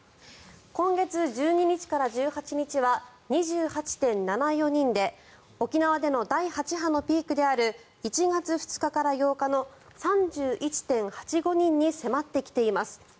今月１２日から１８日は２８．７４人で沖縄での第８波のピークである１月２日から８日の３１．８５人に迫ってきています。